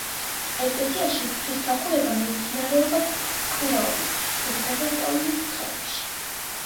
ეკლესიაში ღვთისმსახურება მიმდინარეობდა კვირაობით და დღესასწაულის დღეებში.